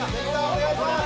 お願いします